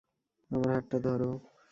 আমার হাতটা ধরো।